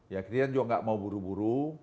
ya kalian juga gak mau buru buru